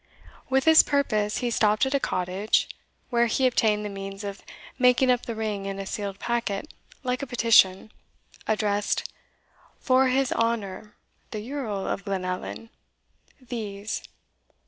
] With this purpose he stopped at a cottage, where he obtained the means of making up the ring in a sealed packet like a petition, addressed, Forr his hounor the Yerl of Glenllan These.